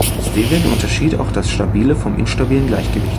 Stevin unterschied auch das stabile vom instabilen Gleichgewicht.